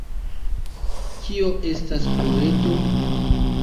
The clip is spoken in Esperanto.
Kio estas poeto?